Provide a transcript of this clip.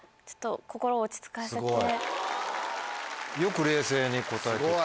よく冷静に答えてて。